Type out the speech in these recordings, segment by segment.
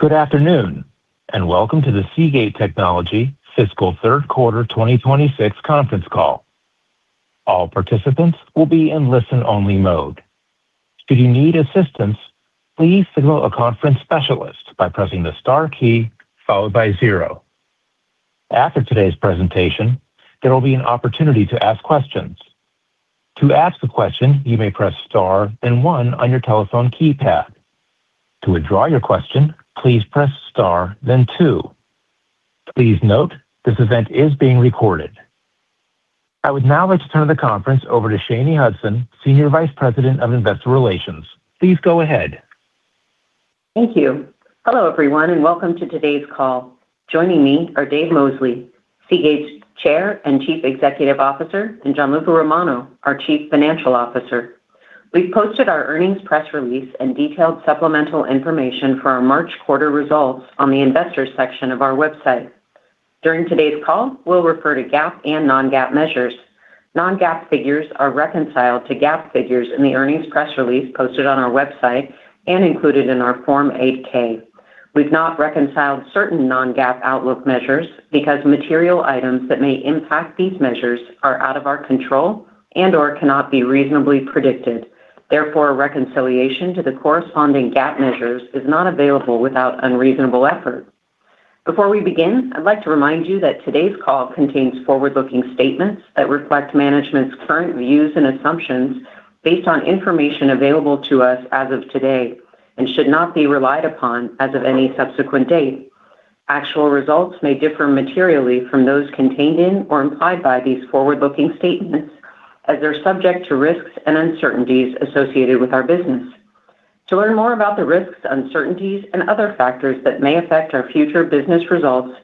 Good afternoon, and welcome to the Seagate Technology Fiscal Q3 2026 conference call. All participants will be in listen-only mode. After today's presentation, there will be an opportunity to ask questions. Please note, this event is being recorded. I would now like to turn the conference over to Shanye Hudson, Senior Vice President of Investor Relations. Please go ahead. Thank you. Hello, everyone, and welcome to today's call. Joining me are Dave Mosley, Seagate's Chair and Chief Executive Officer, and Gianluca Romano, our Chief Financial Officer. We've posted our earnings press release and detailed supplemental information for our March quarter results on the investors section of our website. During today's call, we'll refer to GAAP and non-GAAP measures. Non-GAAP figures are reconciled to GAAP figures in the earnings press release posted on our website and included in our Form 8-K. We've not reconciled certain non-GAAP outlook measures because material items that may impact these measures are out of our control and/or cannot be reasonably predicted. Therefore, reconciliation to the corresponding GAAP measures is not available without unreasonable effort. Before we begin, I'd like to remind you that today's call contains forward-looking statements that reflect management's current views and assumptions based on information available to us as of today and should not be relied upon as of any subsequent date. Actual results may differ materially from those contained in or implied by these forward-looking statements as they're subject to risks and uncertainties associated with our business. To learn more about the risks, uncertainties and other factors that may affect our future business results,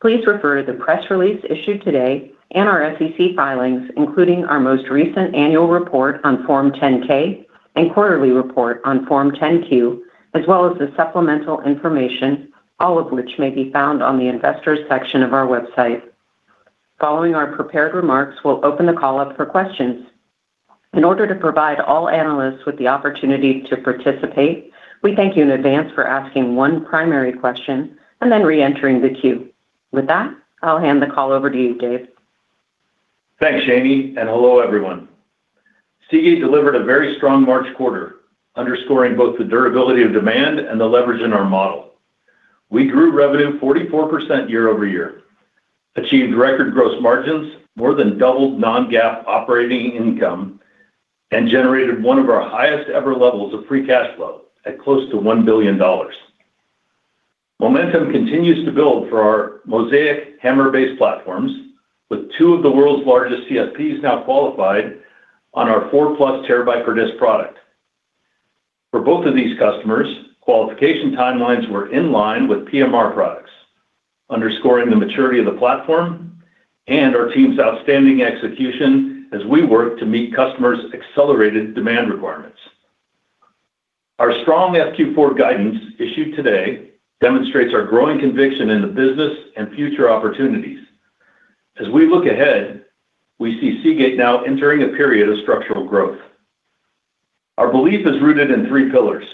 please refer to the press release issued today and our SEC filings, including our most recent annual report on Form 10-K and quarterly report on Form 10-Q, as well as the supplemental information, all of which may be found on the investors section of our website. Following our prepared remarks, we'll open the call up for questions. In order to provide all analysts with the opportunity to participate, we thank you in advance for asking one primary question and then reentering the queue. I'll hand the call over to you, Dave. Thanks, Shanye, and hello, everyone. Seagate delivered a very strong March quarter, underscoring both the durability of demand and the leverage in our model. We grew revenue 44% year-over-year, achieved record gross margins, more than doubled non-GAAP operating income, and generated one of our highest ever levels of free cash flow at close to $1 billion. Momentum continues to build for our Mozaic HAMR-based platforms, with two of the world's largest CSPs now qualified on our 4+ terabyte per disk product. For both of these customers, qualification timelines were in line with PMR products, underscoring the maturity of the platform and our team's outstanding execution as we work to meet customers' accelerated demand requirements. Our strong FQ4 guidance issued today demonstrates our growing conviction in the business and future opportunities. As we look ahead, we see Seagate now entering a period of structural growth. Our belief is rooted in three pillars.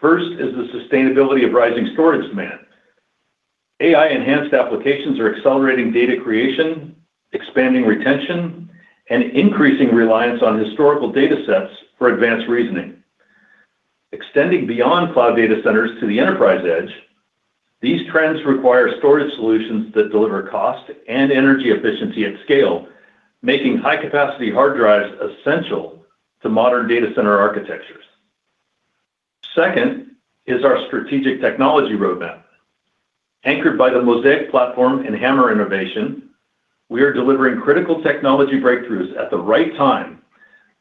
First is the sustainability of rising storage demand. AI-enhanced applications are accelerating data creation, expanding retention, and increasing reliance on historical datasets for advanced reasoning. Extending beyond cloud data centers to the enterprise edge, these trends require storage solutions that deliver cost and energy efficiency at scale, making high-capacity hard drives essential to modern data center architectures. Second is our strategic technology roadmap. Anchored by the Mozaic platform and HAMR innovation, we are delivering critical technology breakthroughs at the right time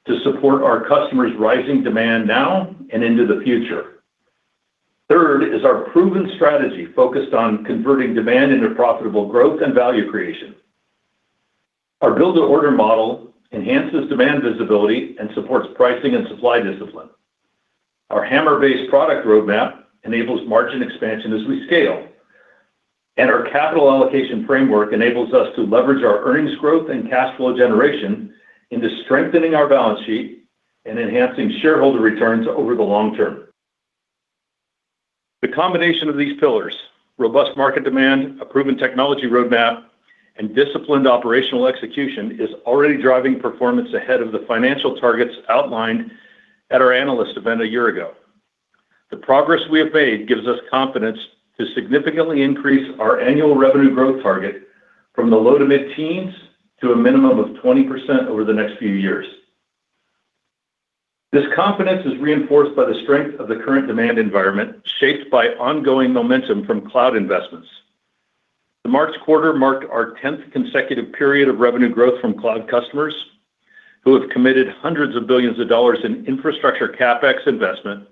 to support our customers' rising demand now and into the future. Third is our proven strategy focused on converting demand into profitable growth and value creation. Our build-to-order model enhances demand visibility and supports pricing and supply discipline. Our HAMR-based product roadmap enables margin expansion as we scale. Our capital allocation framework enables us to leverage our earnings growth and cash flow generation into strengthening our balance sheet and enhancing shareholder returns over the long term. The combination of these pillars, robust market demand, a proven technology roadmap, and disciplined operational execution, is already driving performance ahead of the financial targets outlined at our Analyst Event a year ago. The progress we have made gives us confidence to significantly increase our annual revenue growth target from the low-to-mid teens to a minimum of 20% over the next few years. This confidence is reinforced by the strength of the current demand environment, shaped by ongoing momentum from cloud investments. The March quarter marked our 10th consecutive period of revenue growth from cloud customers, who have committed hundreds of billions of dollars in infrastructure CapEx investment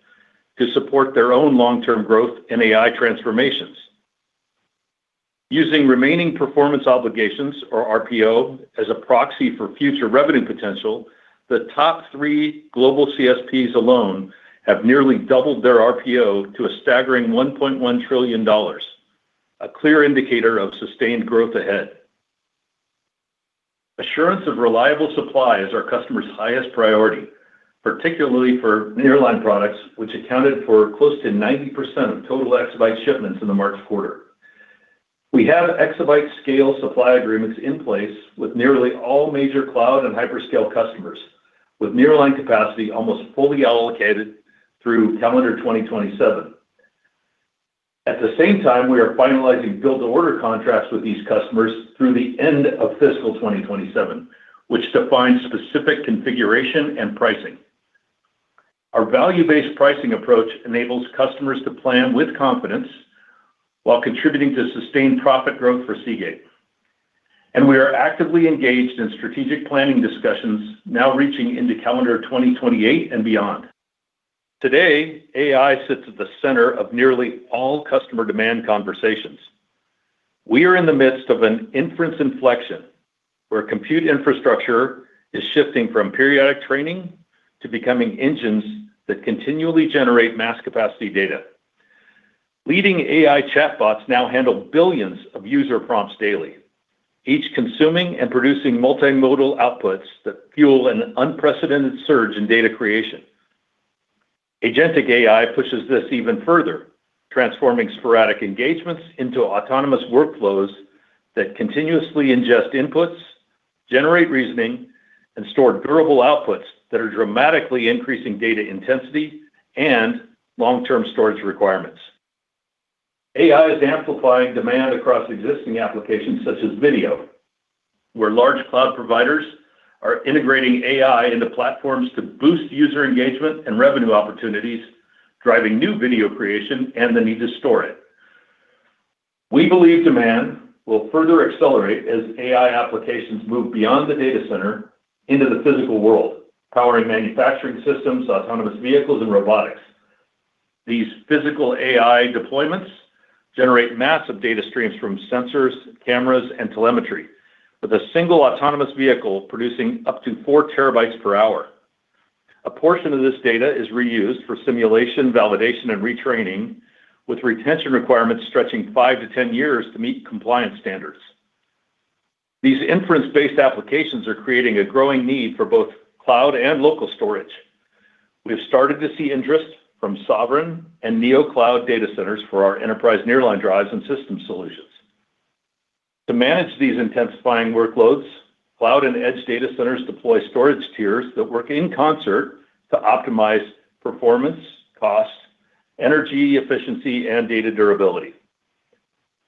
to support their own long-term growth and AI transformations. Using remaining performance obligations or RPO as a proxy for future revenue potential, the top three global CSPs alone have nearly doubled their RPO to a staggering $1.1 trillion, a clear indicator of sustained growth ahead. Assurance of reliable supply is our customers' highest priority, particularly for nearline products, which accounted for close to 90% of total exabyte shipments in the March quarter. We have exabyte scale supply agreements in place with nearly all major cloud and hyperscale customers, with nearline capacity almost fully allocated through calendar 2027. At the same time, we are finalizing build-to-order contracts with these customers through the end of fiscal 2027, which defines specific configuration and pricing. Our value-based pricing approach enables customers to plan with confidence while contributing to sustained profit growth for Seagate. We are actively engaged in strategic planning discussions now reaching into calendar 2028 and beyond. Today, AI sits at the center of nearly all customer demand conversations. We are in the midst of an inference inflection, where compute infrastructure is shifting from periodic training to becoming engines that continually generate mass capacity data. Leading AI chatbots now handle billions of user prompts daily, each consuming and producing multimodal outputs that fuel an unprecedented surge in data creation. Agentic AI pushes this even further, transforming sporadic engagements into autonomous workflows that continuously ingest inputs, generate reasoning, and store durable outputs that are dramatically increasing data intensity and long-term storage requirements. AI is amplifying demand across existing applications such as video, where large cloud providers are integrating AI into platforms to boost user engagement and revenue opportunities, driving new video creation and the need to store it. We believe demand will further accelerate as AI applications move beyond the data center into the physical world, powering manufacturing systems, autonomous vehicles, and robotics. These physical AI deployments generate massive data streams from sensors, cameras, and telemetry, with a single autonomous vehicle producing up to 4 TB per hour. A portion of this data is reused for simulation, validation, and retraining, with retention requirements stretching five to 10 years to meet compliance standards. These inference-based applications are creating a growing need for both cloud and local storage. We have started to see interest from sovereign and neo cloud data centers for our enterprise nearline drives and system solutions. To manage these intensifying workloads, cloud and edge data centers deploy storage tiers that work in concert to optimize performance, cost, energy efficiency, and data durability.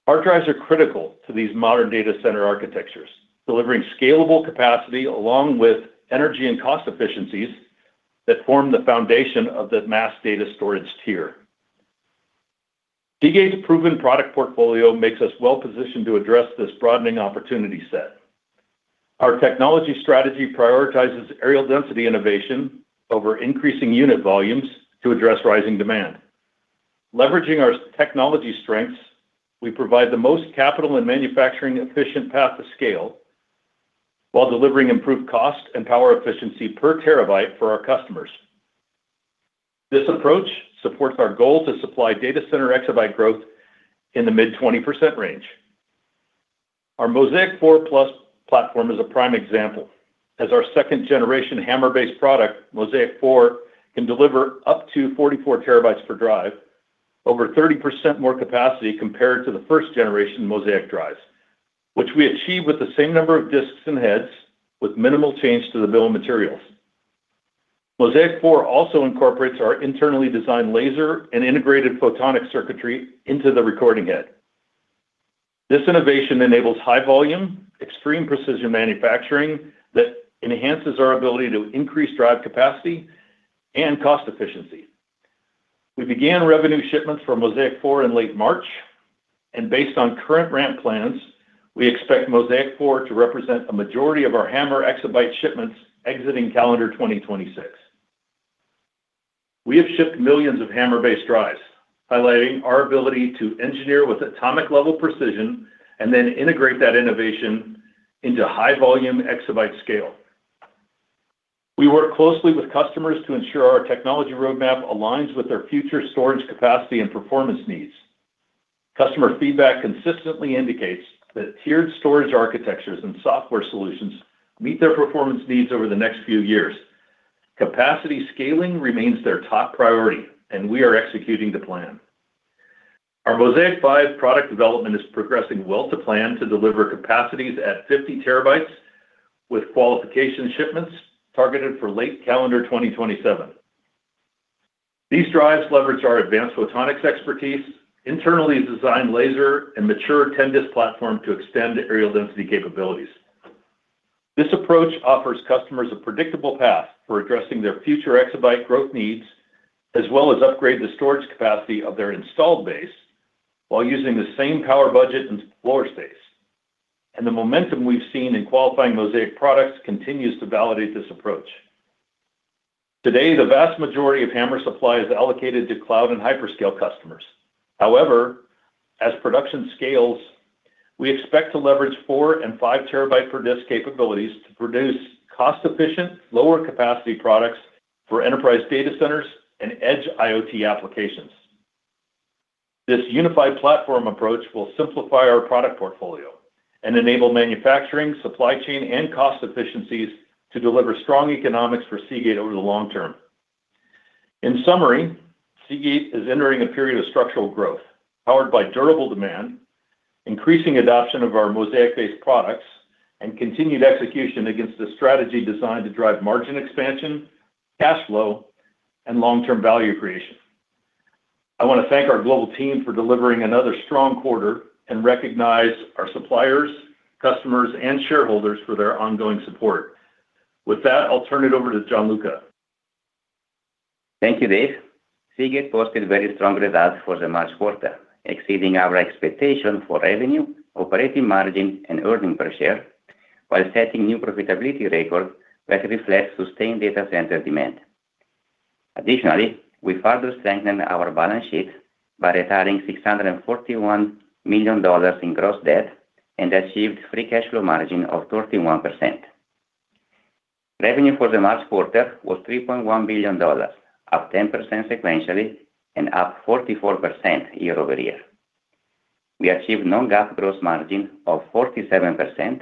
Our drives are critical to these modern data center architectures, delivering scalable capacity along with energy and cost efficiencies that form the foundation of the mass capacity tier. Seagate's proven product portfolio makes us well-positioned to address this broadening opportunity set. Our technology strategy prioritizes areal density innovation over increasing unit volumes to address rising demand. Leveraging our technology strengths, we provide the most capital and manufacturing efficient path to scale while delivering improved cost and power efficiency per terabyte for our customers. This approach supports our goal to supply data center exabyte growth in the mid 20% range. Our Mozaic 4+ platform is a prime example. As our second-generation HAMR-based product, Mozaic 4 can deliver up to 44 TB per drive, over 30% more capacity compared to the first-generation Mozaic drives, which we achieve with the same number of disks and heads with minimal change to the bill of materials. Mozaic 4 also incorporates our internally designed laser and integrated photonic circuitry into the recording head. This innovation enables high volume, extreme precision manufacturing that enhances our ability to increase drive capacity and cost efficiency. We began revenue shipments for Mozaic 4 in late March, and based on current ramp plans, we expect Mozaic 4 to represent a majority of our HAMR exabyte shipments exiting calendar 2026. We have shipped millions of HAMR-based drives, highlighting our ability to engineer with atomic level precision and then integrate that innovation into high-volume exabyte scale. We work closely with customers to ensure our technology roadmap aligns with their future storage capacity and performance needs. Customer feedback consistently indicates that tiered storage architectures and software solutions meet their performance needs over the next few years. Capacity scaling remains their top priority, and we are executing the plan. Our Mozaic 5 product development is progressing well to plan to deliver capacities at 50 TB with qualification shipments targeted for late calendar 2027. These drives leverage our advanced photonics expertise, internally designed laser, and mature 10-disk platform to extend areal density capabilities. This approach offers customers a predictable path for addressing their future exabyte growth needs, as well as upgrade the storage capacity of their installed base while using the same power budget and floor space. The momentum we've seen in qualifying Mozaic products continues to validate this approach. Today, the vast majority of HAMR supply is allocated to cloud and hyperscale customers. As production scales, we expect to leverage 4 and 5 TB per disk capabilities to produce cost-efficient, lower capacity products for enterprise data centers and Edge IoT applications. This unified platform approach will simplify our product portfolio and enable manufacturing, supply chain, and cost efficiencies to deliver strong economics for Seagate over the long term. In summary, Seagate is entering a period of structural growth, powered by durable demand, increasing adoption of our Mozaic-based products, and continued execution against a strategy designed to drive margin expansion, cash flow, and long-term value creation. I want to thank our global team for delivering another strong quarter and recognize our suppliers, customers, and shareholders for their ongoing support. I'll turn it over to Gianluca. Thank you, Dave. Seagate posted very strong results for the March quarter, exceeding our expectation for revenue, operating margin, and earning per share, while setting new profitability record that reflects sustained data center demand. Additionally, we further strengthened our balance sheet by retiring $641 million in gross debt and achieved free cash flow margin of 31%. Revenue for the March quarter was $3.1 billion, up 10% sequentially and up 44% year-over-year. We achieved non-GAAP gross margin of 47%,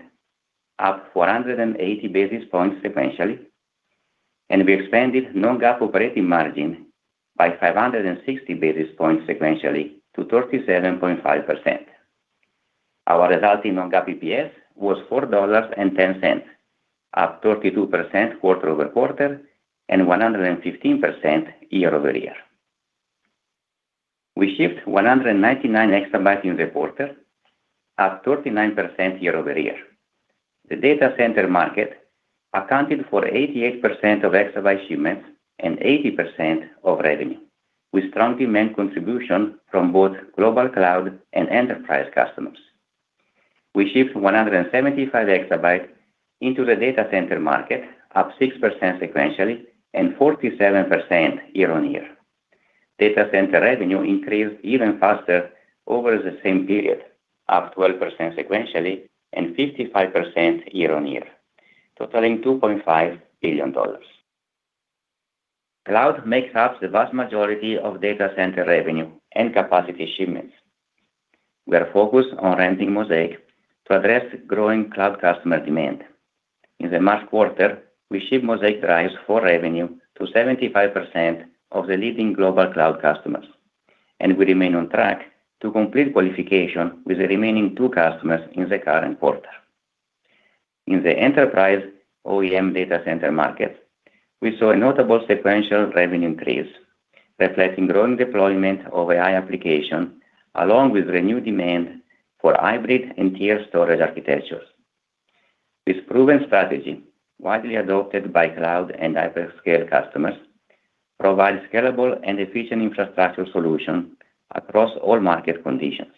up 480 basis points sequentially, and we expanded non-GAAP operating margin by 560 basis points sequentially to 37.5%. Our resulting non-GAAP EPS was $4.10, up 32% quarter-over-quarter and 115% year-over-year. We shipped 199 exabytes in the quarter, up 39% year-over-year. The data center market accounted for 88% of exabyte shipments and 80% of revenue, with strong demand contribution from both global cloud and enterprise customers. We shipped 175 exabytes into the data center market, up 6% sequentially and 47% year-on-year. Data center revenue increased even faster over the same period, up 12% sequentially and 55% year-on-year, totaling $2.5 billion. Cloud makes up the vast majority of data center revenue and capacity shipments. We are focused on ramping Mozaic to address growing cloud customer demand. In the March quarter, we shipped Mozaic drives for revenue to 75% of the leading global cloud customers, and we remain on track to complete qualification with the remaining two customers in the current quarter. In the enterprise OEM data center market, we saw a notable sequential revenue increase, reflecting growing deployment of AI application along with renewed demand for hybrid and tier storage architectures. This proven strategy, widely adopted by cloud and hyperscale customers, provides scalable and efficient infrastructure solution across all market conditions.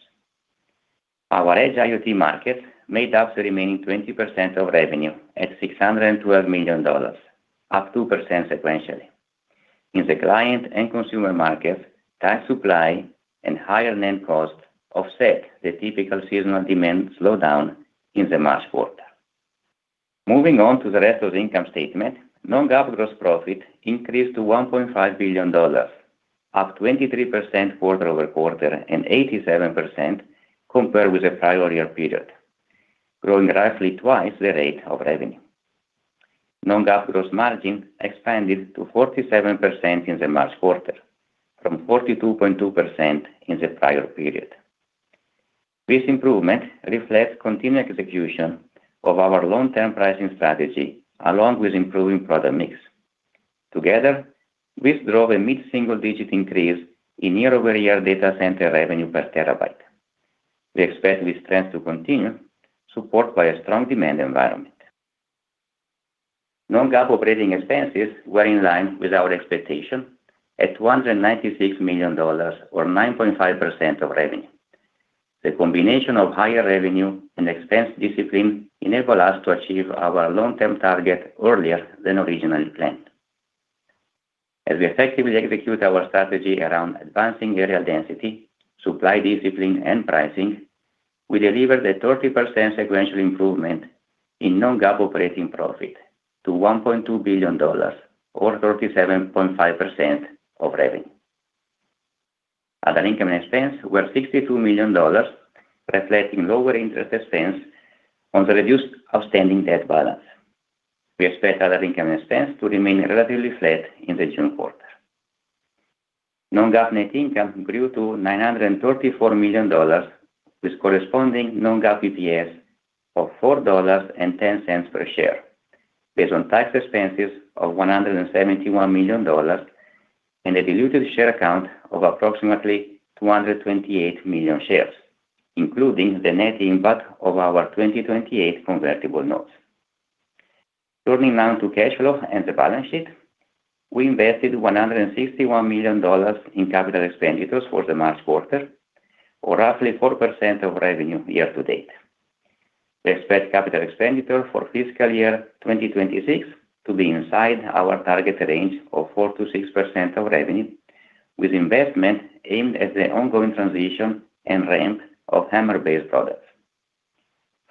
Our Edge IoT market made up the remaining 20% of revenue at $612 million, up 2% sequentially. In the client and consumer market, tight supply and higher NAND cost offset the typical seasonal demand slowdown in the March quarter. Moving on to the rest of the income statement, non-GAAP gross profit increased to $1.5 billion, up 23% quarter-over-quarter and 87% compared with the prior year period, growing roughly twice the rate of revenue. Non-GAAP gross margin expanded to 47% in the March quarter from 42.2% in the prior period. This improvement reflects continued execution of our long-term pricing strategy along with improving product mix. Together, this drove a mid-single-digit increase in year-over-year data center revenue per terabyte. We expect this trend to continue, supported by a strong demand environment. Non-GAAP operating expenses were in line with our expectation at $196 million or 9.5% of revenue. The combination of higher revenue and expense discipline enable us to achieve our long-term target earlier than originally planned. As we effectively execute our strategy around advancing areal density, supply discipline, and pricing, we delivered a 30% sequential improvement in non-GAAP operating profit to $1.2 billion or 37.5% of revenue. Other income and expense were $62 million, reflecting lower interest expense on the reduced outstanding debt balance. We expect other income expense to remain relatively flat in the June quarter. non-GAAP net income grew to $934 million, with corresponding non-GAAP EPS of $4.10 per share based on tax expenses of $171 million and a diluted share count of approximately 228 million shares, including the net impact of our 2028 convertible notes. Turning now to cash flow and the balance sheet. We invested $161 million in capital expenditures for the March quarter, or roughly 4% of revenue year-to-date. We expect capital expenditure for fiscal year 2026 to be inside our target range of 4%-6% of revenue, with investment aimed at the ongoing transition and ramp of HAMR-based products.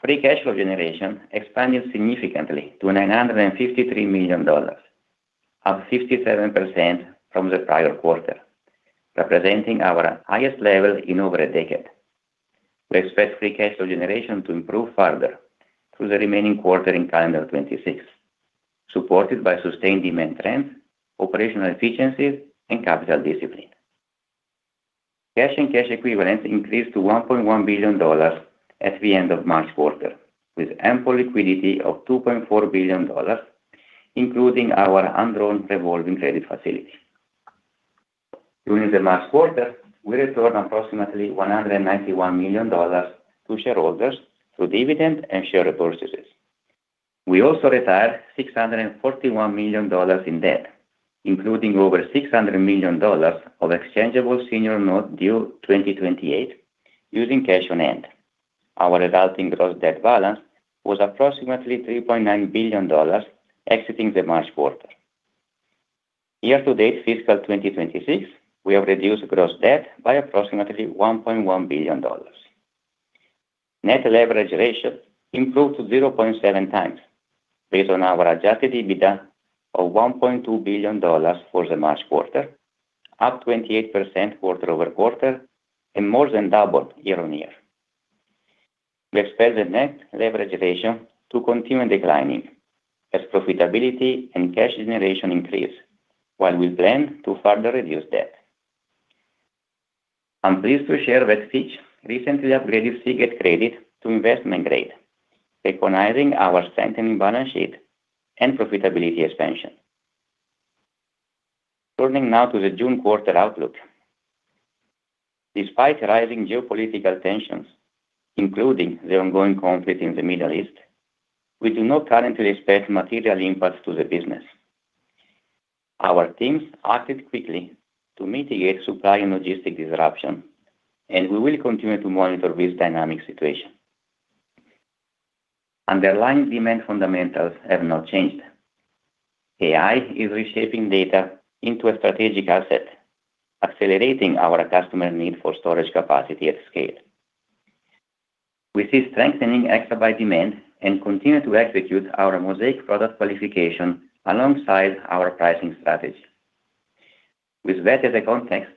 Free cash flow generation expanded significantly to $953 million, up 57% from the prior quarter, representing our highest level in over a decade. We expect free cash flow generation to improve further through the remaining quarter in calendar 2026, supported by sustained demand trends, operational efficiencies, and capital discipline. Cash and cash equivalents increased to $1.1 billion at the end of March quarter, with ample liquidity of $2.4 billion, including our undrawn revolving credit facility. During the March quarter, we returned approximately $191 million to shareholders through dividends and share repurchases. We also retired $641 million in debt, including over $600 million of exchangeable senior notes due 2028 using cash on hand. Our resulting gross debt balance was approximately $3.9 billion exiting the March quarter. Year-to-date fiscal 2026, we have reduced gross debt by approximately $1.1 billion. Net leverage ratio improved to 0.7 times based on our adjusted EBITDA of $1.2 billion for the March quarter, up 28% quarter-over-quarter and more than double year-on-year. We expect the net leverage ratio to continue declining as profitability and cash generation increase while we plan to further reduce debt. I'm pleased to share that Fitch recently upgraded Seagate credit to investment grade, recognizing our strengthening balance sheet and profitability expansion. Turning now to the June quarter outlook. Despite rising geopolitical tensions, including the ongoing conflict in the Middle East, we do not currently expect material impacts to the business. Our teams acted quickly to mitigate supply and logistic disruption, and we will continue to monitor this dynamic situation. Underlying demand fundamentals have not changed. AI is reshaping data into a strategic asset, accelerating our customer need for storage capacity at scale. We see strengthening exabyte demand and continue to execute our Mozaic product qualification alongside our pricing strategy. With that as the context,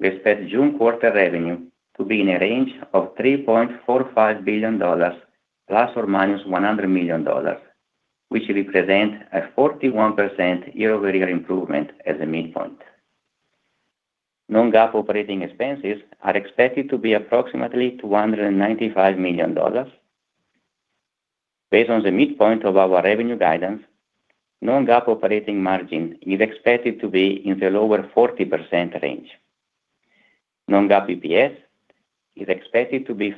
we expect June quarter revenue to be in a range of $3.45 billion ± $100 million, which represent a 41% year-over-year improvement as a midpoint. Non-GAAP operating expenses are expected to be approximately $295 million. Based on the midpoint of our revenue guidance, non-GAAP operating margin is expected to be in the lower 40% range. Non-GAAP EPS is expected to be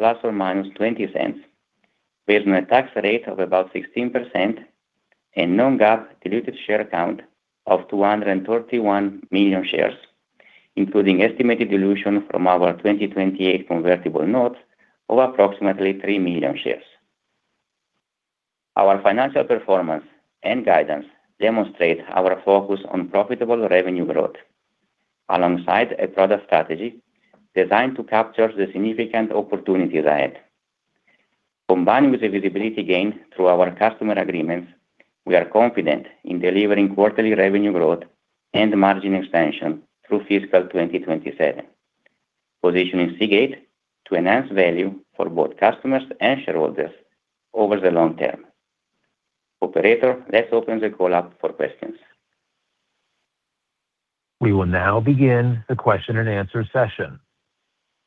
$5.00 ± $0.20 based on a tax rate of about 16% and non-GAAP diluted share count of 231 million shares, including estimated dilution from our 2028 convertible notes of approximately 3 million shares. Our financial performance and guidance demonstrate our focus on profitable revenue growth alongside a product strategy designed to capture the significant opportunities ahead. Combined with the visibility gained through our customer agreements, we are confident in delivering quarterly revenue growth and margin expansion through fiscal 2027, positioning Seagate to enhance value for both customers and shareholders over the long term. Operator, let's open the call up for questions. We will now begin the Q&A session.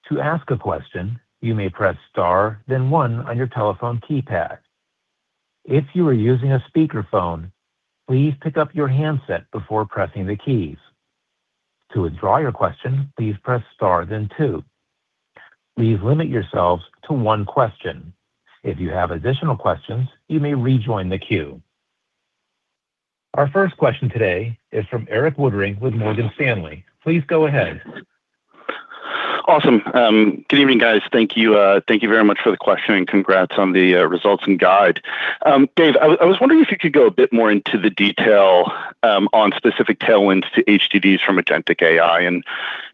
To ask a question, you may press star then one on your telephone keypad. If you are using a speakerphone, please pick up your handset before pressing the keys. To withdraw your question, please press star then two. Please limit yourselves to one question. If you have additional questions, you may rejoin the queue. Our first question today is from Erik Woodring with Morgan Stanley. Please go ahead. Awesome. Good evening, guys. Thank you, thank you very much for the question, and congrats on the results and guide. Dave, I was wondering if you could go a bit more into the detail on specific tailwinds to HDDs from agentic AI.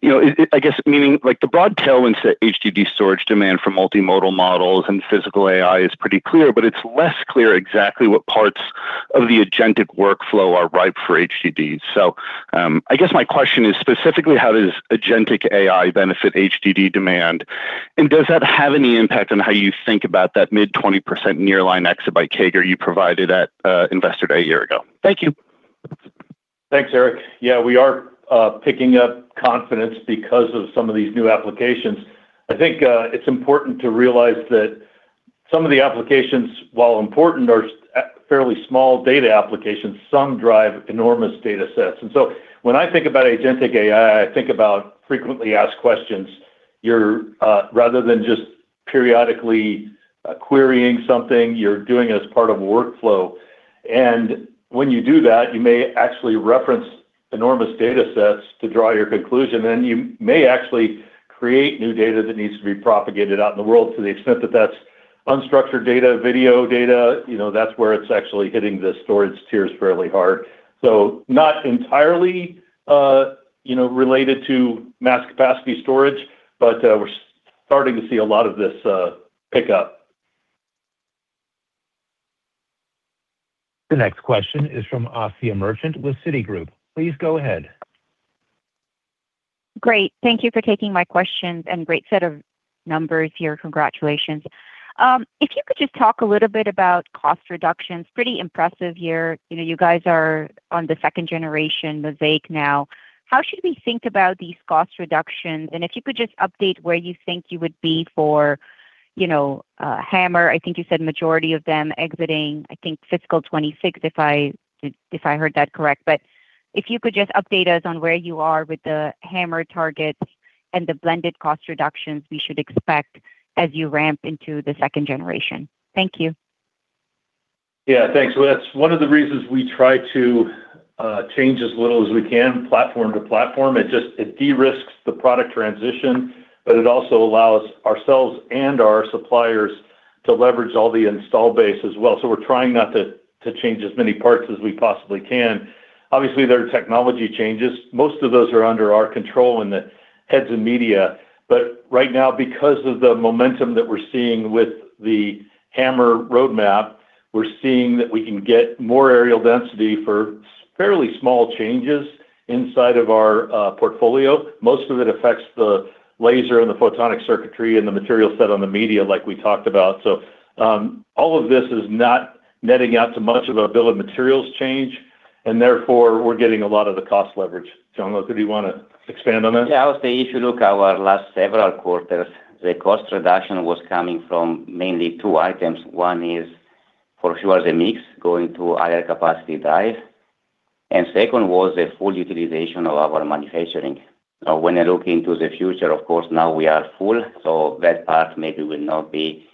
You know, it I guess, meaning, like the broad tailwinds to HDD storage demand for multimodal models and physical AI is pretty clear, but it's less clear exactly what parts of the agentic workflow are ripe for HDDs. I guess my question is specifically how does agentic AI benefit HDD demand, and does that have any impact on how you think about that mid-20% nearline exabyte CAGR you provided at Investor Day a year ago? Thank you. Thanks, Erik. Yeah, we are picking up confidence because of some of these new applications. I think it's important to realize that some of the applications, while important, are fairly small data applications. Some drive enormous data sets. When I think about agentic AI, I think about frequently asked questions. You're rather than just periodically querying something, you're doing it as part of a workflow. When you do that, you may actually reference enormous data sets to draw your conclusion, and you may actually create new data that needs to be propagated out in the world to the extent that that's unstructured data, video data, you know, that's where it's actually hitting the storage tiers fairly hard. Not entirely, you know, related to mass capacity storage, but we're starting to see a lot of this pick up. The next question is from Asiya Merchant with Citigroup. Please go ahead. Great. Thank you for taking my questions, and great set of numbers here. Congratulations. If you could just talk a little bit about cost reductions. Pretty impressive year. You know, you guys are on the second generation Mozaic now. How should we think about these cost reductions? If you could just update where you think you would be for, you know, HAMR. I think you said majority of them exiting, I think, fiscal 2026, if I heard that correct. If you could just update us on where you are with the HAMR targets and the blended cost reductions we should expect as you ramp into the second generation. Thank you. Yeah. Thanks. That's one of the reasons we try to change as little as we can platform to platform. It de-risks the product transition, but it also allows ourselves and our suppliers to leverage all the install base as well. We're trying not to change as many parts as we possibly can. Obviously, there are technology changes. Most of those are under our control in the heads of media. Right now, because of the momentum that we're seeing with the HAMR roadmap, we're seeing that we can get more areal density for fairly small changes inside of our portfolio. Most of it affects the laser and the photonic circuitry and the material set on the media, like we talked about. All of this is not netting out to much of a bill of materials change, and therefore, we're getting a lot of the cost leverage. Gianluca, do you wanna expand on that? Yeah. I would say if you look our last several quarters, the cost reduction was coming from mainly two items. One is for sure the mix going to higher capacity drive, and second was the full utilization of our manufacturing. When I look into the future, of course now we are full, so that part maybe will not be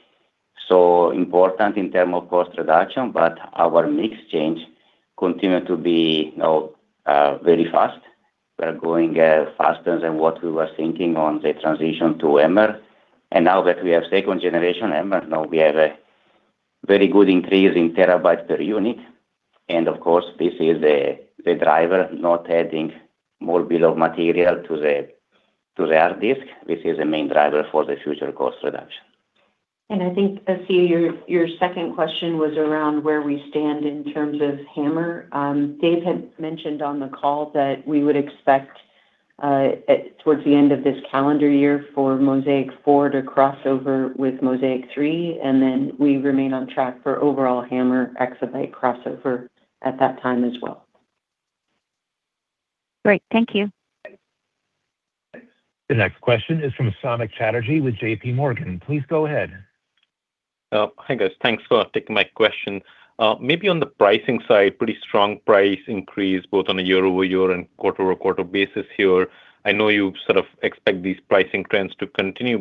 so important in terms of cost reduction. Our mix change continue to be very fast. We are going faster than what we were thinking on the transition to HAMR. Now that we have second generation HAMR, now we have a very good increase in terabytes per unit. Of course, this is the driver not adding more bill of material to the, to the hard disk. This is the main driver for the future cost reduction. I think, Asiya, your second question was around where we stand in terms of HAMR. Dave had mentioned on the call that we would expect towards the end of this calendar year for Mozaic 4 to cross over with Mozaic 3, and then we remain on track for overall HAMR exabyte crossover at that time as well. Great. Thank you. The next question is from Samik Chatterjee with JPMorgan. Please go ahead. Hi, guys. Thanks for taking my question. Maybe on the pricing side, pretty strong price increase both on a year-over-year and quarter-over-quarter basis here. I know you sort of expect these pricing trends to continue,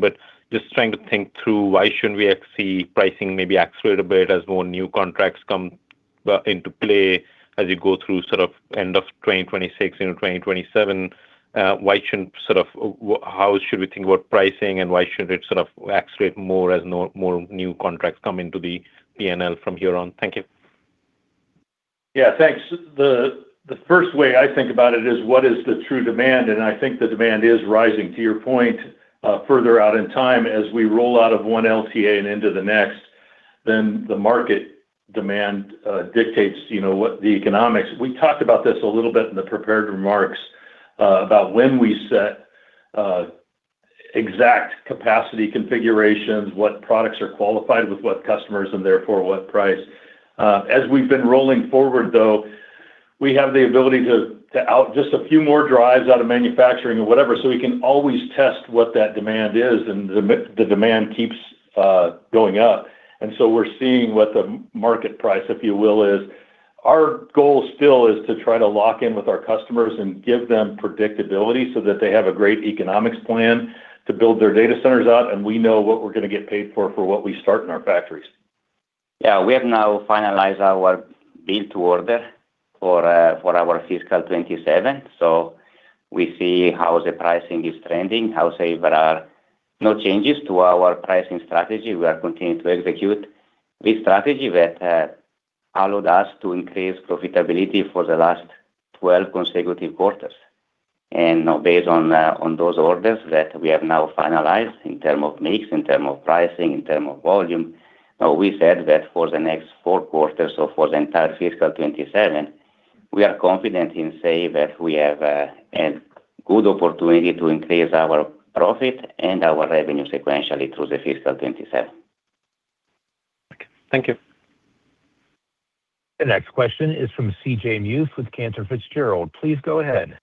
just trying to think through why shouldn't we see pricing maybe accelerate a bit as more new contracts come into play as you go through sort of end of 2026 into 2027? How should we think about pricing, and why should it sort of accelerate more as more new contracts come into the P&L from here on? Thank you. Yeah. Thanks. The first way I think about it is what is the true demand, and I think the demand is rising, to your point, further out in time as we roll out of one LTA and into the next, then the market demand dictates, you know, what the economics. We talked about this a little bit in the prepared remarks, about when we set exact capacity configurations, what products are qualified with what customers and therefore what price. As we've been rolling forward, though, we have the ability to out just a few more drives out of manufacturing or whatever, so we can always test what that demand is, and the demand keeps going up. So we're seeing what the market price, if you will, is. Our goal still is to try to lock in with our customers and give them predictability so that they have a great economics plan to build their data centers out, and we know what we're gonna get paid for for what we start in our factories. We have now finalized our build-to-order for our fiscal 2027. We see how the pricing is trending. I will say there are no changes to our pricing strategy. We are continuing to execute this strategy that allowed us to increase profitability for the last 12 consecutive quarters. Now based on those orders that we have now finalized in term of mix, in term of pricing, in term of volume, we said that for the next four quarters, so for the entire fiscal 2027, we are confident in say that we have a good opportunity to increase our profit and our revenue sequentially through the fiscal 2027. Thank you. The next question is from CJ Muse with Cantor Fitzgerald. Please go ahead.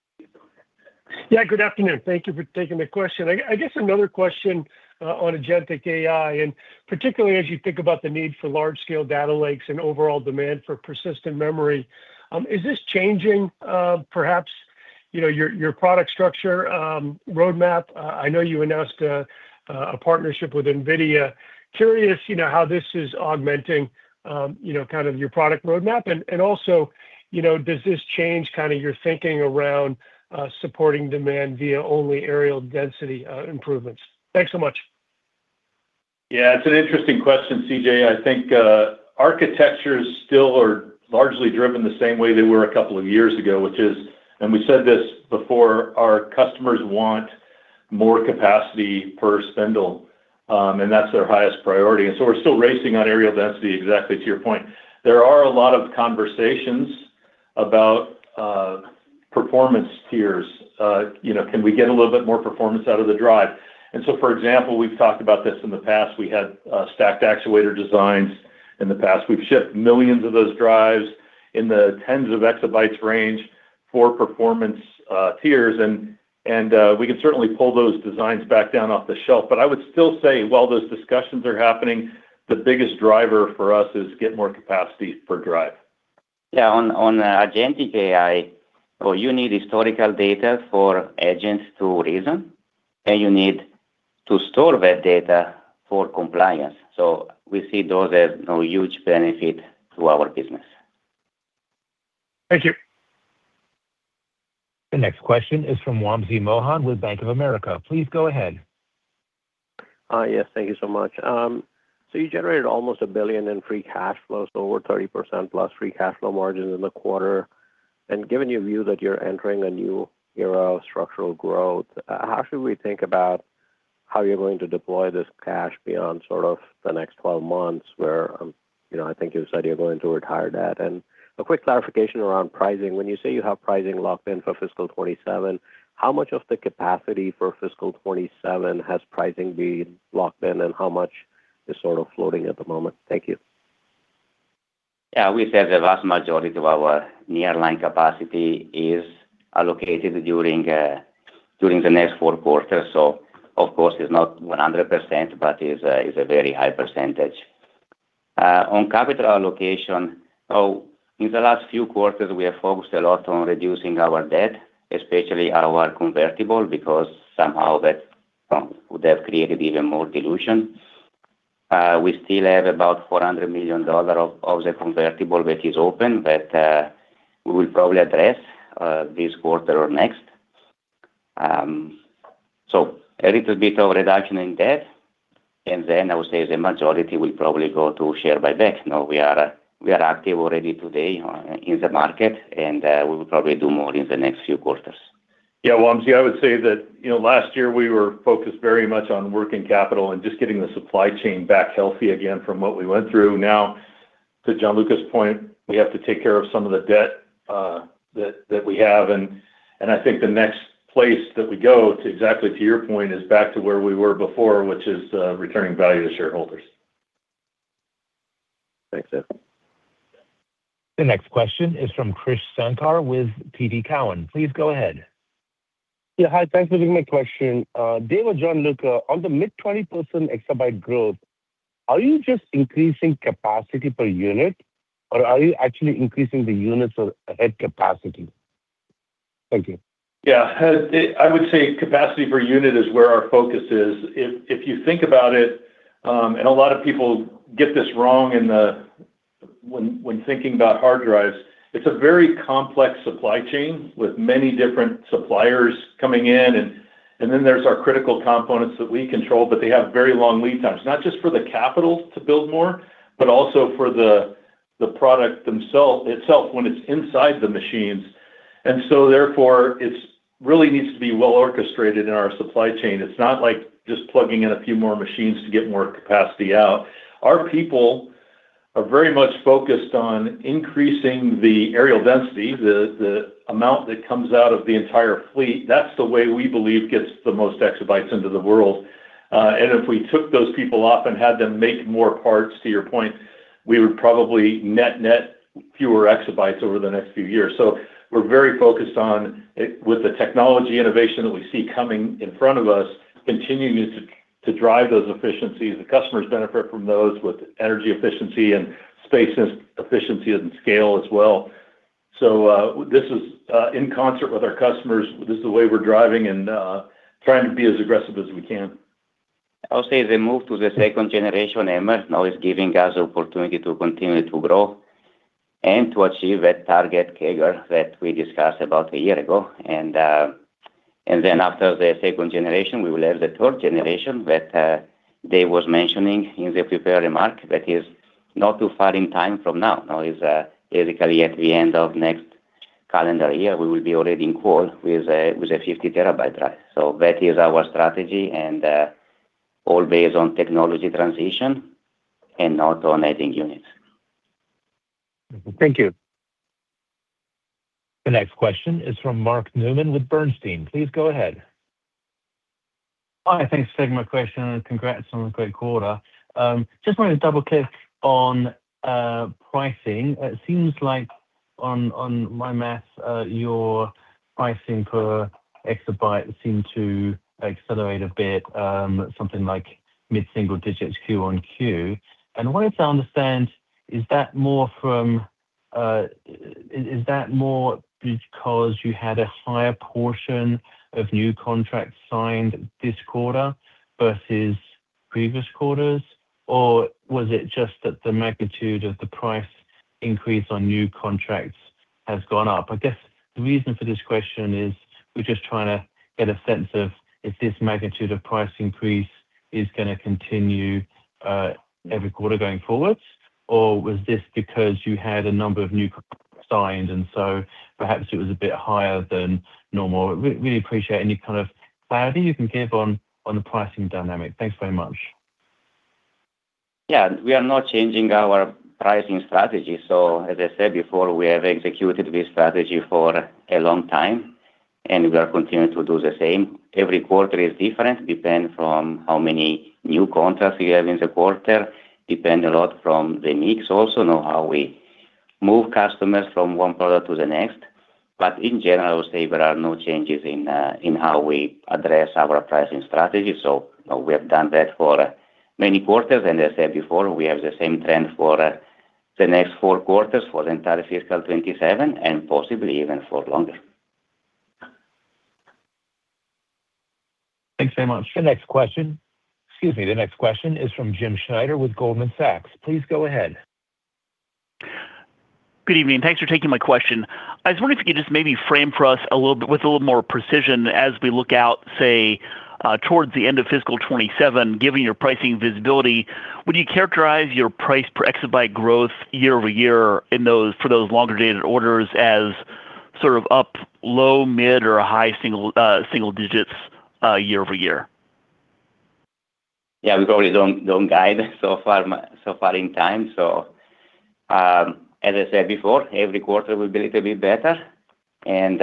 Yeah. Good afternoon. Thank you for taking the question. I guess another question on agentic AI, and particularly as you think about the need for large scale data lakes and overall demand for persistent memory, is this changing, perhaps, you know, your product structure, roadmap? I know you announced a partnership with NVIDIA. Curious, you know, how this is augmenting, you know, kind of your product roadmap. And also, you know, does this change kinda your thinking around supporting demand via only areal density improvements? Thanks so much. It's an interesting question, CJ. I think architectures still are largely driven the same way they were a couple of years ago, which is, we said this before, our customers want more capacity per spindle, that's their highest priority. We're still racing on areal density, exactly to your point. There are a lot of conversations about performance tiers. You know, can we get a little bit more performance out of the drive? For example, we've talked about this in the past. We had stacked actuator designs in the past. We've shipped millions of those drives in the tens of exabytes range for performance tiers and we can certainly pull those designs back down off the shelf. I would still say while those discussions are happening, the biggest driver for us is get more capacity per drive. Yeah, on agentic AI, well, you need historical data for agents to reason, and you need to store that data for compliance. We see those as a huge benefit to our business. Thank you. The next question is from Wamsi Mohan with Bank of America. Please go ahead. Yes. Thank you so much. You generated almost a billion in free cash flows, over 30%+ free cash flow margin in the quarter. Given your view that you're entering a new era of structural growth, how should we think about how you're going to deploy this cash beyond sort of the next 12 months where, you know, I think you said you're going to retire debt? A quick clarification around pricing. When you say you have pricing locked in for fiscal 2027, how much of the capacity for fiscal 2027 has pricing been locked in, and how much is sort of floating at the moment? Thank you. We said the vast majority of our nearline capacity is allocated during the next four quarters. Of course, it's not 100%, but is a very high percentage. On capital allocation, in the last few quarters, we have focused a lot on reducing our debt, especially our convertible, because somehow that would have created even more dilution. We still have about $400 million of the convertible that is open, we will probably address this quarter or next. A little bit of reduction in debt, I would say the majority will probably go to share buyback. We are active already today in the market, we will probably do more in the next few quarters. Yeah, Wamsi, I would say that, you know, last year, we were focused very much on working capital and just getting the supply chain back healthy again from what we went through. To Gianluca's point, we have to take care of some of the debt that we have, and I think the next place that we go to, exactly to your point, is back to where we were before, which is returning value to shareholders. Thanks, Dave. The next question is from Krish Sankar with TD Cowen. Please go ahead. Yeah. Hi, thanks for taking my question. Dave or Gianluca, on the mid-20% exabyte growth, are you just increasing capacity per unit, or are you actually increasing the units of head capacity? Thank you. I would say capacity per unit is where our focus is. If you think about it, a lot of people get this wrong when thinking about hard drives, it's a very complex supply chain with many different suppliers coming in, and then there's our critical components that we control, but they have very long lead times, not just for the capital to build more, but also for the product itself when it's inside the machines. Therefore, it really needs to be well orchestrated in our supply chain. It's not like just plugging in a few more machines to get more capacity out. Our people are very much focused on increasing the areal density, the amount that comes out of the entire fleet. That's the way we believe gets the most exabytes into the world. If we took those people off and had them make more parts, to your point, we would probably net net fewer exabytes over the next few years. We're very focused on it with the technology innovation that we see coming in front of us, continuing to drive those efficiencies. The customers benefit from those with energy efficiency and space efficiency and scale as well. This is in concert with our customers. This is the way we're driving and trying to be as aggressive as we can. I would say the move to the second generation HAMR now is giving us the opportunity to continue to grow and to achieve that target CAGR that we discussed about a year ago. Then after the second generation, we will have the third generation that Dave was mentioning in the prepared remark. That is not too far in time from now. Now is basically at the end of next calendar year, we will be already in call with a 50 TB drive. That is our strategy and all based on technology transition and not on adding units. Thank you. The next question is from Mark Newman with Bernstein. Please go ahead. Hi. Thanks for taking my question, and congrats on the great quarter. Just wanted to double-click on pricing. It seems like on my math, your pricing per exabyte seemed to accelerate a bit, something like mid-single digits Q-on-Q. I wanted to understand, is that more from, is that more because you had a higher portion of new contracts signed this quarter versus previous quarters, or was it just that the magnitude of the price increase on new contracts has gone up. I guess the reason for this question is we're just trying to get a sense of if this magnitude of price increase is gonna continue, every quarter going forward or was this because you had a number of new signed and so perhaps it was a bit higher than normal. Really appreciate any kind of clarity you can give on the pricing dynamic. Thanks very much. Yeah. We are not changing our pricing strategy. As I said before, we have executed this strategy for a long time, and we are continuing to do the same. Every quarter is different, depend from how many new contracts we have in the quarter, depend a lot from the mix also, know how we move customers from one product to the next. In general, I would say there are no changes in how we address our pricing strategy. You know, we have done that for many quarters. I said before, we have the same trend for the next four quarters, for the entire fiscal 2027, and possibly even for longer. Thanks very much. Excuse me, the next question is from Jim Schneider with Goldman Sachs. Please go ahead. Good evening. Thanks for taking my question. I was wondering if you could just maybe frame for us a little bit, with a little more precision as we look out, say, towards the end of fiscal 2027, given your pricing visibility, would you characterize your price per exabyte growth year-over-year for those longer-dated orders as sort of up low, mid, or high single digits year-over-year? Yeah. We probably don't guide so far in time. As I said before, every quarter will be a little bit better and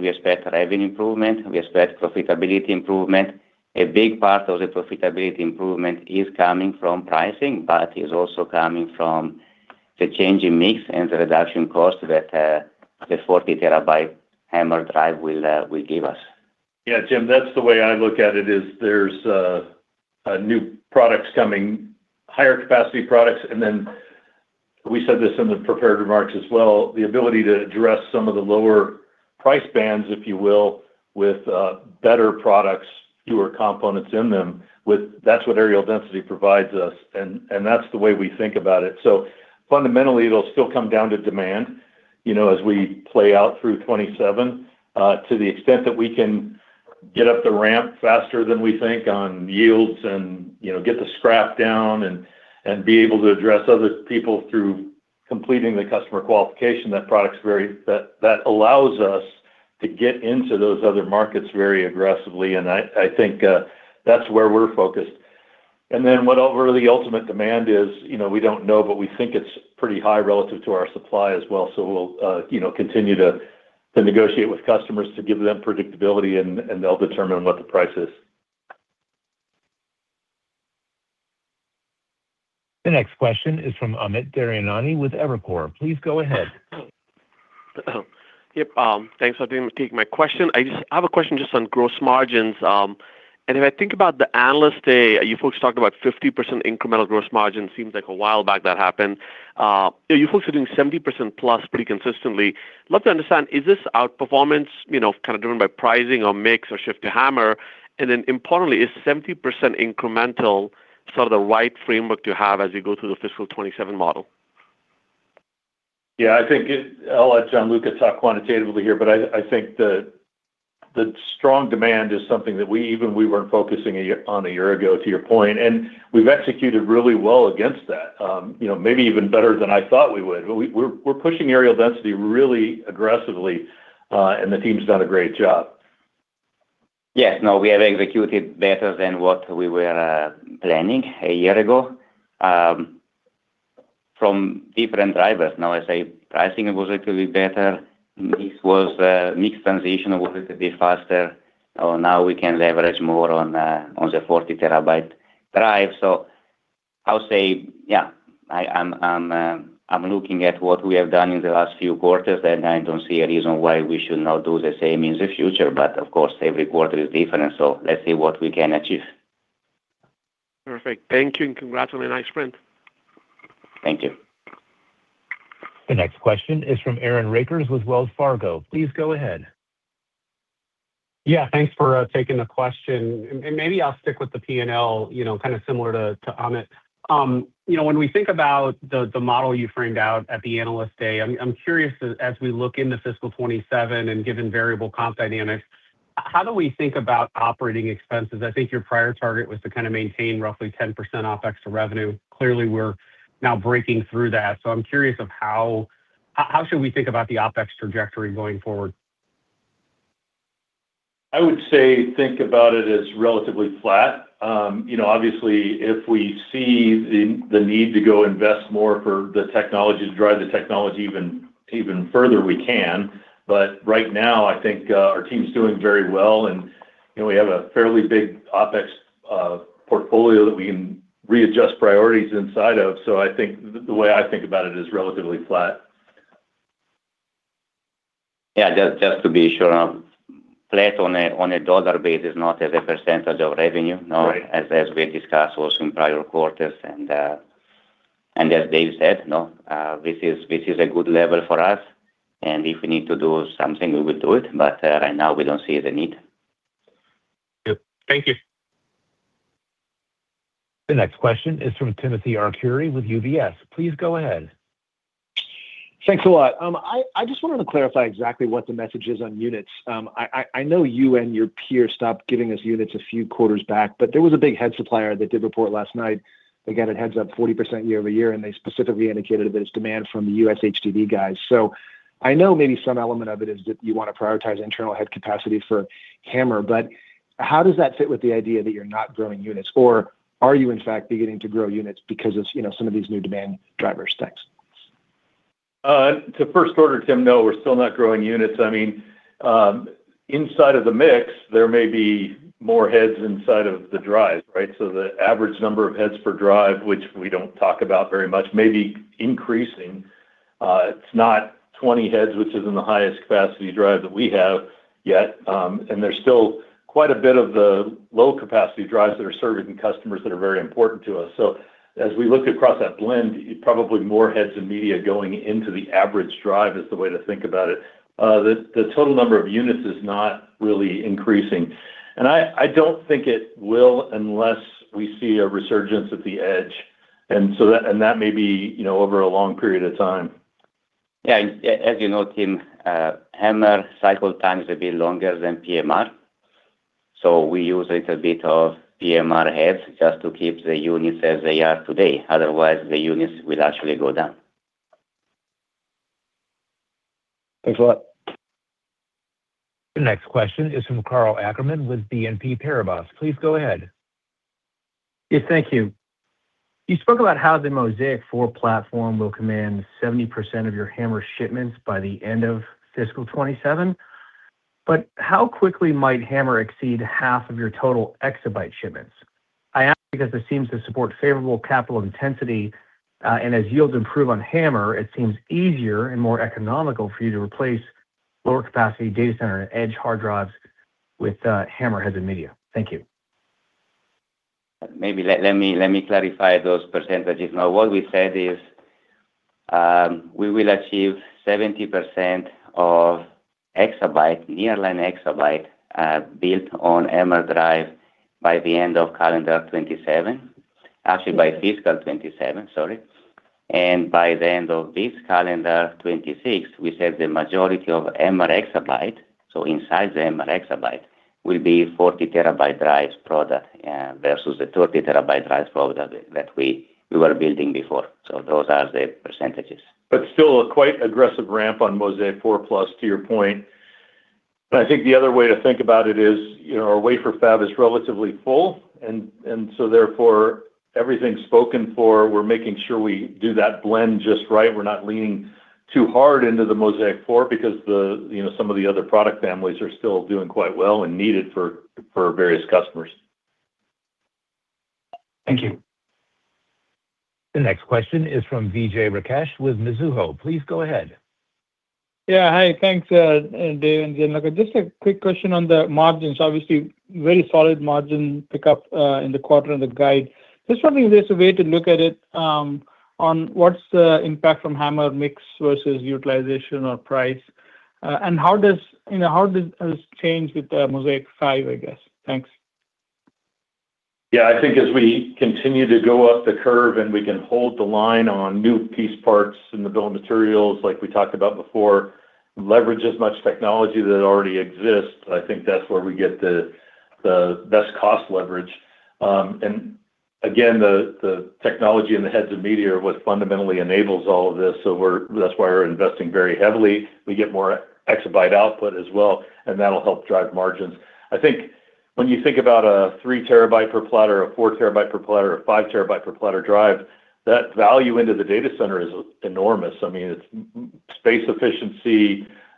we expect revenue improvement, we expect profitability improvement. A big part of the profitability improvement is coming from pricing, but is also coming from the change in mix and the reduction cost that the 40 TB HAMR drive will give us. Yeah, Jim, that's the way I look at it, is there's new products coming, higher capacity products. Then we said this in the prepared remarks as well, the ability to address some of the lower price bands, if you will, with better products, fewer components in them. That's what areal density provides us and that's the way we think about it. Fundamentally, it'll still come down to demand, you know, as we play out through 2027, to the extent that we can get up the ramp faster than we think on yields and, you know, get the scrap down and be able to address other people through completing the customer qualification. That, that allows us to get into those other markets very aggressively. I think that's where we're focused. Whatever the ultimate demand is, you know, we don't know, but we think it's pretty high relative to our supply as well. We'll, you know, continue to negotiate with customers to give them predictability, and they'll determine what the price is. The next question is from Amit Daryanani with Evercore. Please go ahead. Thanks for taking my question. I just have a question just on gross margins. If I think about the Analyst Day, you folks talked about 50% incremental gross margin. Seems like a while back that happened. You folks are doing 70%+ pretty consistently. Love to understand, is this outperformance, you know, kind of driven by pricing or mix or shift to HAMR? Importantly, is 70% incremental sort of the right framework to have as we go through the fiscal 2027 model? Yeah, I think I'll let Gianluca talk quantitatively here, but I think the strong demand is something that we even we weren't focusing on a year ago, to your point. We've executed really well against that. You know, maybe even better than I thought we would. We're pushing areal density really aggressively, and the team's done a great job. Yes. No, we have executed better than what we were planning a year ago from different drivers now. As I say, pricing was a little bit better. Mix was, mix transition was a bit faster. Now we can leverage more on the 40 TB drive. I'll say, yeah, I'm looking at what we have done in the last few quarters, and I don't see a reason why we should not do the same in the future. Of course, every quarter is different, so let's see what we can achieve. Perfect. Thank you, and congrats on a nice sprint. Thank you. The next question is from Aaron Rakers with Wells Fargo. Please go ahead. Yeah. Thanks for taking the question. Maybe I'll stick with the P&L, you know, kind of similar to Amit. You know, when we think about the model you framed out at the Analyst Day, I'm curious as we look into fiscal 2027 and given variable comp dynamics, how do we think about operating expenses? I think your prior target was to kind of maintain roughly 10% OpEx to revenue. Clearly, we're now breaking through that. I'm curious of how should we think about the OpEx trajectory going forward? I would say think about it as relatively flat. You know, obviously, if we see the need to go invest more for the technology, to drive the technology even further, we can. Right now, I think, our team's doing very well. You know, we have a fairly big OpEx portfolio that we can readjust priorities inside of. I think the way I think about it is relatively flat. Yeah. Just to be sure, flat on a dollar basis, not as a percentage of revenue. Right. You know, as we discussed also in prior quarters. As Dave said, you know, this is, this is a good level for us, and if we need to do something, we will do it. Right now, we don't see the need. Good. Thank you. The next question is from Timothy Arcuri with UBS. Please go ahead. Thanks a lot. I just wanted to clarify exactly what the message is on units. I, I know you and your peers stopped giving us units a few quarters back. There was a big head supplier that did report last night. Again, it heads up 40% year-over-year, and they specifically indicated that it's demand from the U.S. HDD guys. I know maybe some element of it is that you want to prioritize internal head capacity for HAMR, but how does that fit with the idea that you're not growing units? Are you, in fact, beginning to grow units because of, you know, some of these new demand drivers? Thanks. To first order, Tim, no, we're still not growing units. I mean, inside of the mix, there may be more heads inside of the drive, right? The average number of heads per drive, which we don't talk about very much, may be increasing. It's not 20 heads, which is in the highest capacity drive that we have yet. There's still quite a bit of the low capacity drives that are serving customers that are very important to us. As we look across that blend, probably more heads and media going into the average drive is the way to think about it. The total number of units is not really increasing. I don't think it will unless we see a resurgence at the edge. That may be, you know, over a long period of time. Yeah. As you know, Tim, HAMR cycle times will be longer than PMR, so we use a little bit of PMR heads just to keep the units as they are today. Otherwise, the units will actually go down. Thanks a lot. The next question is from Karl Ackerman with BNP Paribas. Please go ahead. Yes, thank you. You spoke about how the Mozaic 4 platform will command 70% of your HAMR shipments by the end of fiscal 2027, but how quickly might HAMR exceed half of your total exabyte shipments? I ask because this seems to support favorable capital intensity. As yields improve on HAMR, it seems easier and more economical for you to replace lower capacity data center and edge hard drives with HAMR heads and media. Thank you. Maybe let me clarify those percentages. What we said is, we will achieve 70% of exabyte, nearline exabyte, built on HAMR drive by the end of calendar 2027. Actually, by fiscal 2027, sorry. By the end of this calendar 2026, we said the majority of HAMR exabyte, so inside the HAMR exabyte, will be 40 TB drives product, versus the 30 TB drives product that we were building before. Those are the percentages. Still a quite aggressive ramp on Mozaic 4+, to your point. I think the other way to think about it is, you know, our wafer fab is relatively full and so therefore everything spoken for, we're making sure we do that blend just right. We're not leaning too hard into the Mozaic 4 because the, you know, some of the other product families are still doing quite well and needed for various customers. Thank you. The next question is from Vijay Rakesh with Mizuho. Please go ahead. Yeah. Hi. Thanks, Dave and Gianluca. Just a quick question on the margins. Obviously, very solid margin pickup in the quarter and the guide. Just wondering if there's a way to look at it on what's the impact from HAMR mix versus utilization or price. How does, you know, how does this change with the Mozaic 5, I guess? Thanks. Yeah. I think as we continue to go up the curve, and we can hold the line on new piece parts in the build materials like we talked about before, leverage as much technology that already exists, I think that's where we get the best cost leverage. Again, the technology and the heads and media are what fundamentally enables all of this. That's why we're investing very heavily. We get more exabyte output as well, and that'll help drive margins. I think when you think about a 3 TB per platter, a 4 TB per platter, a 5 TB per platter drive, that value into the data center is enormous. I mean, it's space efficiency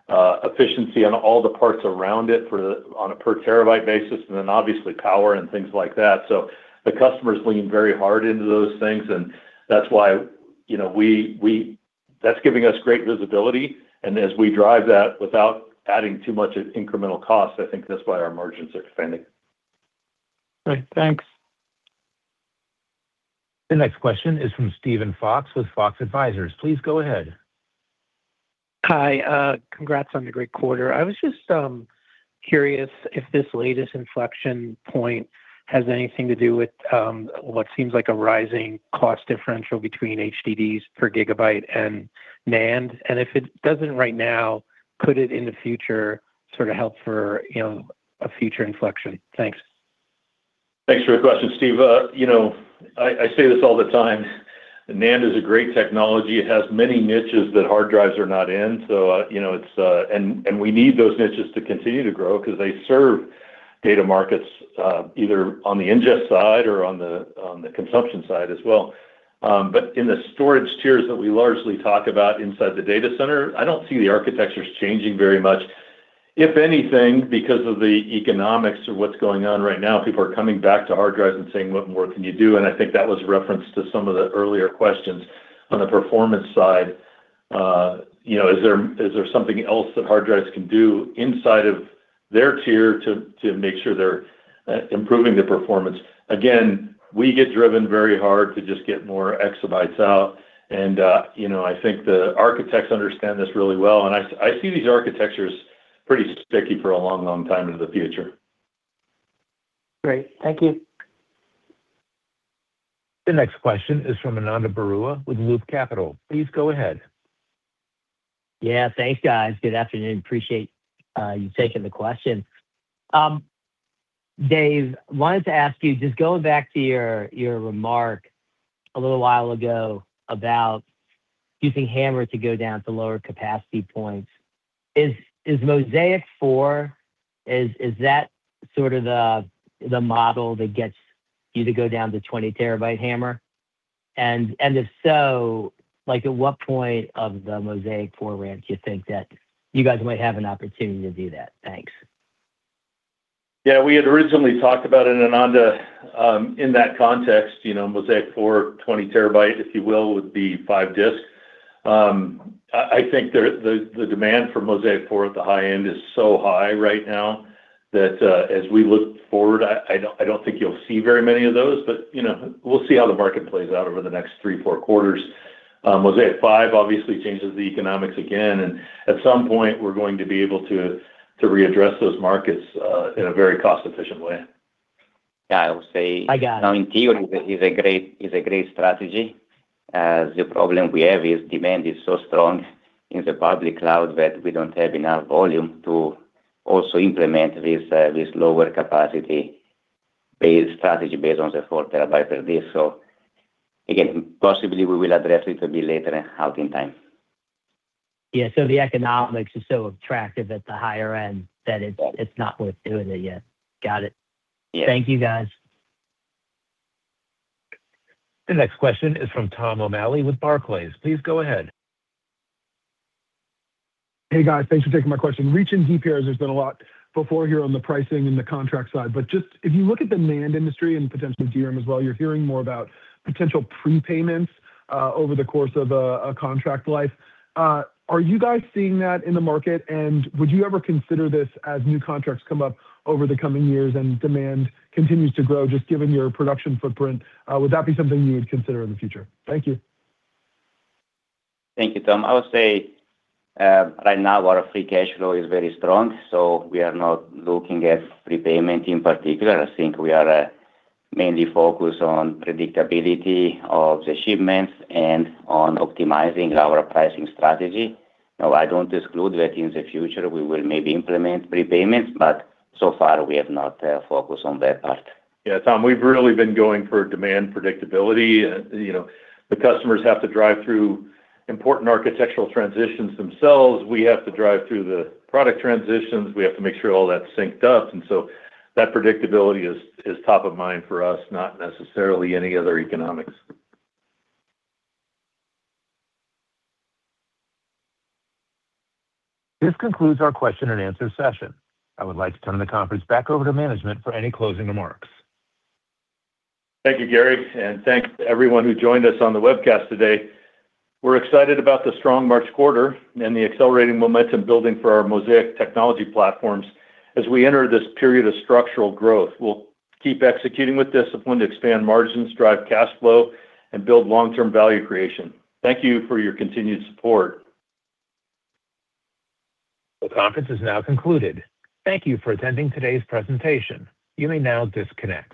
on all the parts around it on a per terabyte basis, and then obviously power and things like that. The customers lean very hard into those things, and that's why, you know, that's giving us great visibility. As we drive that without adding too much incremental cost, I think that's why our margins are expanding. Great. Thanks. The next question is from Steven Fox with Fox Advisors. Please go ahead. Hi. Congrats on the great quarter. I was just curious if this latest inflection point has anything to do with what seems like a rising cost differential between HDDs per gigabyte and NAND, If it doesn't right now, could it in the future sort of help for, you know, a future inflection? Thanks. Thanks for the question, Steve. You know, I say this all the time, NAND is a great technology. It has many niches that hard drives are not in. You know, we need those niches to continue to grow because they serve data markets, either on the ingest side or on the consumption side as well. In the storage tiers that we largely talk about inside the data center, I don't see the architectures changing very much. If anything, because of the economics of what's going on right now, people are coming back to hard drives and saying, "What more can you do?" I think that was referenced to some of the earlier questions on the performance side. You know, is there something else that hard drives can do inside of their tier to make sure they're improving the performance? Again, we get driven very hard to just get more exabytes out. You know, I think the architects understand this really well. I see these architectures pretty sticky for a long, long time into the future. Great. Thank you. The next question is from Ananda Baruah with Loop Capital. Please go ahead. Yeah, thanks, guys. Good afternoon. Appreciate you taking the question. Dave, wanted to ask you, just going back to your remark a little while ago about using HAMR to go down to lower capacity points. Is Mozaic 4 that sort of the model that gets you to go down to 20 TB HAMR? If so, like, at what point of the Mozaic 4 ramp do you think that you guys might have an opportunity to do that? Thanks. Yeah. We had originally talked about it, Ananda, in that context. You know, Mozaic 4, 20 TB, if you will, with the five disks. I think the demand for Mozaic 4 at the high end is so high right now that as we look forward, I don't think you'll see very many of those. You know, we'll see how the market plays out over the next three, four quarters. Mozaic 5 obviously changes the economics again. At some point, we're going to be able to readdress those markets in a very cost-efficient way. Yeah, I would say. I got it. Now in theory is a great strategy. The problem we have is demand is so strong in the public cloud that we don't have enough volume to also implement this lower capacity-based strategy based on the 4 TB per disk. Again, possibly we will address it a bit later out in time. Yeah, the economics is so attractive at the higher end that it's not worth doing it yet. Got it. Yes. Thank you, guys. The next question is from Tom O'Malley with Barclays. Please go ahead. Hey, guys. Thanks for taking my question. Reaching deep here as there's been a lot before here on the pricing and the contract side. If you look at the NAND industry and potentially DRAM as well, you're hearing more about potential prepayments over the course of a contract life. Are you guys seeing that in the market, and would you ever consider this as new contracts come up over the coming years and demand continues to grow just given your production footprint? Would that be something you would consider in the future? Thank you. Thank you, Tom. I would say, right now our free cash flow is very strong, so we are not looking at prepayment in particular. I think we are mainly focused on predictability of the shipments and on optimizing our pricing strategy. Now, I don't exclude that in the future we will maybe implement prepayments, but so far we have not focused on that part. Yeah, Tom, we've really been going for demand predictability. You know, the customers have to drive through important architectural transitions themselves. We have to drive through the product transitions. We have to make sure all that's synced up. That predictability is top of mind for us, not necessarily any other economics. This concludes our Q&A session. I would like to turn the conference back over to management for any closing remarks. Thank you, Gary, and thanks to everyone who joined us on the webcast today. We're excited about the strong March quarter and the accelerating momentum building for our Mozaic technology platforms. As we enter this period of structural growth, we'll keep executing with discipline to expand margins, drive cash flow, and build long-term value creation. Thank you for your continued support. The conference is now concluded. Thank you for attending today's presentation. You may now disconnect.